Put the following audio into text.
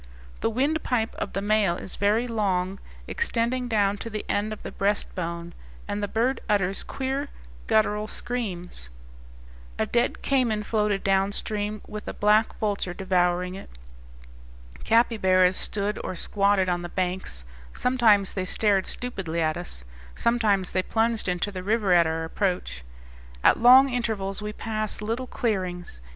The windpipe of the male is very long, extending down to the end of the breast bone, and the bird utters queer guttural screams. A dead cayman floated down stream, with a black vulture devouring it. Capybaras stood or squatted on the banks; sometimes they stared stupidly at us; sometimes they plunged into the river at our approach. At long intervals we passed little clearings.